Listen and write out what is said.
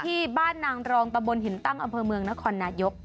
ที่บ้านนางรองตะบนหินตั้งอำเภอเมืองนครนายก